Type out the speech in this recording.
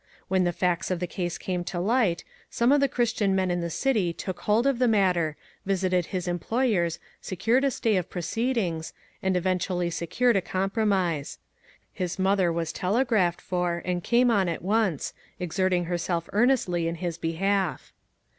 When the facts In the case came to light, some of the Christian men in the city took hold of the matter, visited his employ ers, secured a stay of proceedings, and eventually secured a compromise. His mother was telegraphed for, and came on at once, exerting herself earnestly in his be half.